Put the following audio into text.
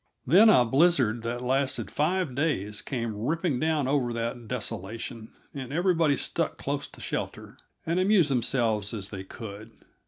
Then a blizzard that lasted five days came ripping down over that desolation, and everybody stuck close to shelter, and amused themselves as they could.